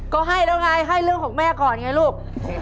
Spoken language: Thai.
ก็ให้แล้วไงให้เรื่องของแม่ก่อนไงลูก